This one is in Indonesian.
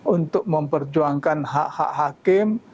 untuk memperjuangkan hak hak hakim